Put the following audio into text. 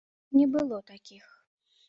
Ну не было такіх.